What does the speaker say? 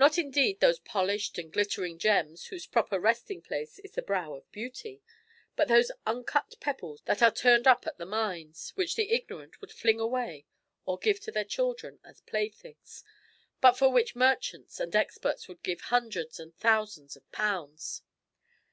Not indeed those polished and glittering gems whose proper resting place is the brow of beauty, but those uncut pebbles that are turned up at the mines, which the ignorant would fling away or give to their children as playthings, but for which merchants and experts would give hundreds and thousands of pounds.